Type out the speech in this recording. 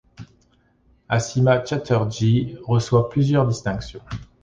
Asima Chatterjee reçoit plusieurs distinctions.